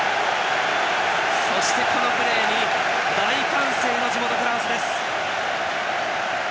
そして、このプレーに大歓声の地元フランス。